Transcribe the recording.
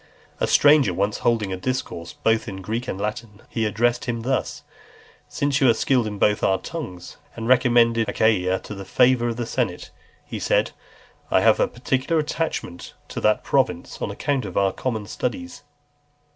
A stranger once holding a discourse both in Greek and Latin, he addressed him thus; "Since you are skilled in both our tongues." And recommending Achaia to the favour of the senate, he said, "I have a particular attachment to that province, on account of our common studies."